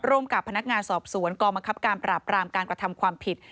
กับพนักงานสอบสวนกองบังคับการปราบรามการกระทำความผิด